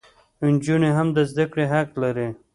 انجونې هم د زدکړي حق لري